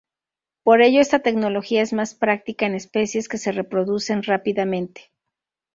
Por ello esta tecnología es más practica en especies que se reproducen rápidamente.